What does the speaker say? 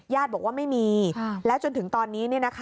ญาติบอกว่าไม่มีและจนถึงตอนนี้